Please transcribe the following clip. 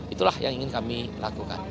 itulah yang ingin kami lakukan